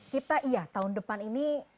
kita iya tahun depan ini